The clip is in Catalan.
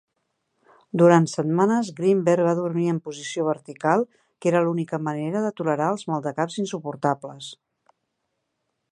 Durant setmanes, Greenberg va dormir en posició vertical, que era l'única manera de tolerar els maldecaps insuportables.